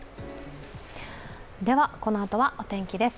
このあとはお天気です。